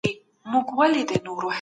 د لویې جرګي پایلې څنګه اعلانیږي؟